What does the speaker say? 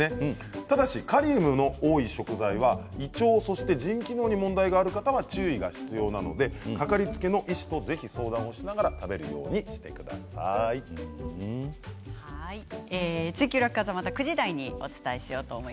ただしカリウムの多い食材は胃腸や腎機能に問題がある方は注意が必要なので掛かりつけの医師とぜひ相談をしながら「ツイＱ楽ワザ」また９時台にお伝えします。